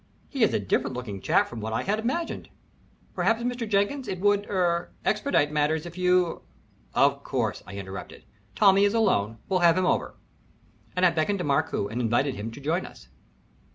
"He's a different looking chap from what I had imagined. Perhaps, Mr. Jenkins, it would er expedite matters if you " "Of course," I interrupted. "Tommy is alone we'll have him over." And I beckoned to Markoo and invited him to join us.